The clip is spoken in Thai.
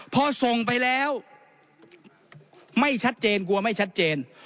พอส่งไปแล้วไม่ชัดเจนกลัวไม่ชัดเจน